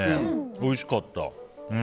おいしかった。